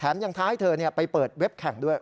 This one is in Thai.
ยังท้าให้เธอไปเปิดเว็บแข่งด้วย